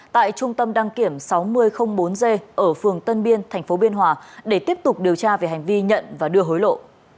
tại trung tâm đăng kiểm sáu nghìn bốn g ở phường tân biên tp biên hòa để tiếp tục điều tra về hành vi nhận và đưa hối lộ